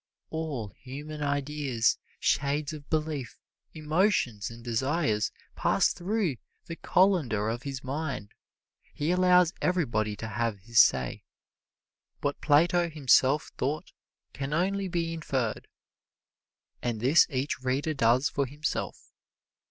All human ideas, shades of belief, emotions and desires pass through the colander of his mind. He allows everybody to have his say. What Plato himself thought can only be inferred, and this each reader does for himself.